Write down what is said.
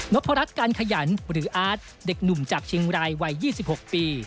พรัชการขยันหรืออาร์ตเด็กหนุ่มจากเชียงรายวัย๒๖ปี